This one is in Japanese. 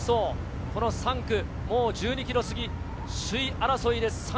３区も１２ｋｍ過ぎ、首位争いです。